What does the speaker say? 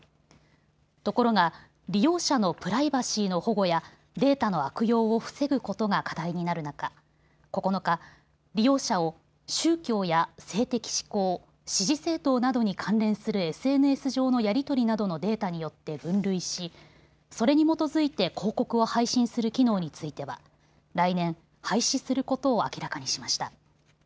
ところが利用者のプライバシーの保護やデータの悪用を防ぐことが課題になる中、９日、利用者を宗教や性的指向、支持政党などに関連するＳＮＳ上のやり取りなどのデータによって分類しそれに基づいて広告を配信する機能については来年、廃止することを明らかにしました。